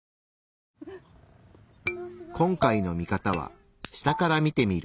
今回のミカタは「下から見てみる」。